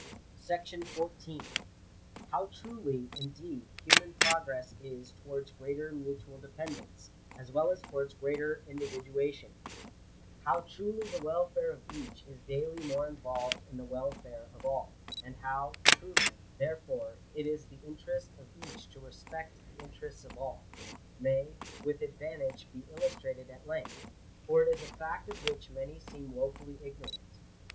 § 14. How truly, indeed, human progress is towards greater mu tual dependence, as well as towards greater individuation — how truly the welfare of each is daily more involved in the welfare of all — and how, truly, therefore, it is the interest of each to respect the interests of all, may, with advantage, be illustrated Digitized by VjOOQIC GENERAL CONSIDERATIONS. 443 v at length ; for it is a fact of which many seem wofully igno rant.